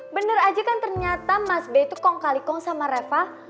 bener aja kan ternyata mas b itu kong kali kong sama reva